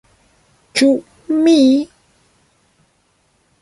Ĉu mi!?